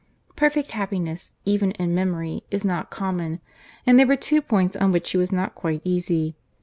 Perfect happiness, even in memory, is not common; and there were two points on which she was not quite easy.